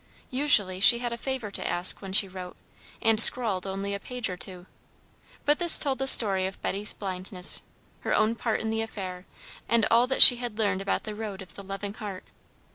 Usually she had a favour to ask when she wrote, and scrawled only a page or two; but this told the story of Betty's blindness, her own part in the affair, and all that she had learned about the Road of the Loving Heart.